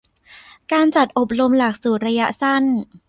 การจัดอบรมหลักสูตรระยะสั้น